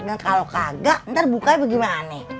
dan kalau kagak ntar bukanya bagaimana